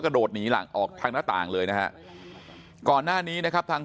โดดหนีหลังออกทางหน้าต่างเลยนะฮะก่อนหน้านี้นะครับทาง